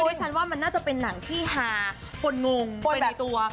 ดิฉันว่ามันน่าจะเป็นหนังที่ฮาคนงงคนในตัว